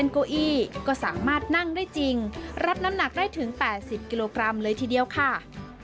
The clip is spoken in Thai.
เก้าอี้ก็สามารถนั่งได้จริงรับน้ำหนักได้ถึง๘๐กิโลกรัมเลยทีเดียวค่ะ